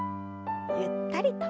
ゆったりと。